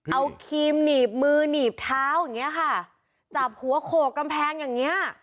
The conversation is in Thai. เอาครีมหนีบมือหนีบเท้าอย่างเงี้ยค่ะจับหัวโขกกำแพงอย่างเงี้ย